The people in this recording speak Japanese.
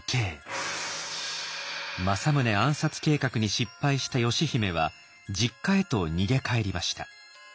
政宗暗殺計画に失敗した義姫は実家へと逃げ帰りました。